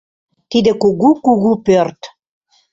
— Тиде кугу-кугу пӧрт.